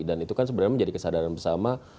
dan itu kan sebenarnya menjadi kesadaran bersama